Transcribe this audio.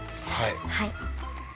はい。